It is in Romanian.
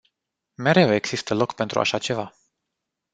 Mereu există loc pentru așa ceva.